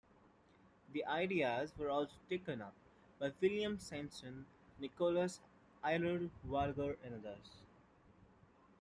The ideas were also taken up by William Swainson, Nicholas Aylward Vigors, and others.